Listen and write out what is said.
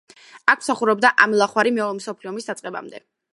აქ მსახურობდა ამილახვარი მეორე მსოფლიო ომის დაწყებამდე.